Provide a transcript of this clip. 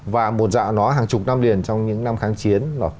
và một dạ nó hàng chục năm liền trong những năm kháng chiến